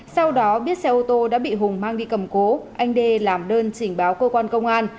sau đó biết xe ô tô đã bị hùng mang đi cầm cố anh đê làm đơn trình báo cơ quan công an